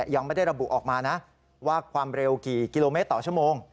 ยังไม่ได้ระบุออกมานะว่าความเร็วกี่กิโลเมตรต่อชั่วโมง